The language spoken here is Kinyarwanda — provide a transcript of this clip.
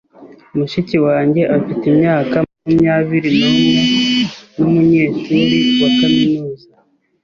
Mushiki wanjye afite imyaka makumyabiri numwe numunyeshuri wa kaminuza.